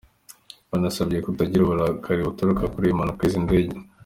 Yanabasabye kutagira uburakari buturuka kuri iyi mpanuka y’izi ndege.